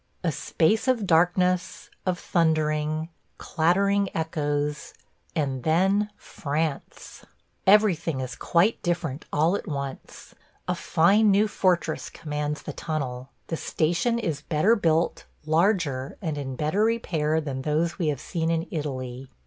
... A space of darkness, of thundering, clattering echoes – and then France! ... Everything is quite different all at once. A fine new fortress commands the tunnel; the station is better built, larger, and in better repair than those we have seen in Italy.